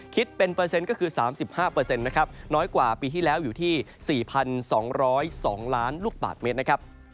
คิดเป็นเปอร์เซ็นต์ก็คือ๓๕นะครับน้อยกว่าปีที่แล้วอยู่ที่๔๒๐๒ล้านลูกบาทเมตรนะครับ